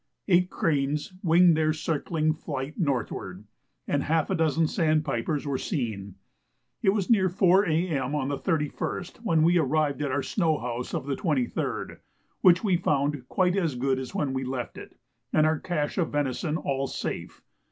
Eight cranes "winged their circling flight" northward, and half a dozen sandpipers were seen. It was near 4 A.M. on the 31st when we arrived at our snow house of the 23rd, which we found quite as good as when we left it and our cache of venison all safe.